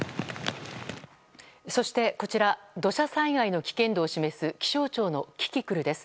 そして、こちら土砂災害の危険度を示す気象庁のキキクルです。